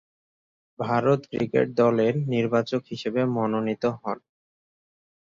Bharat cricket দলের নির্বাচক হিসেবে মনোনীত হন।